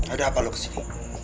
ada apa lo ke sini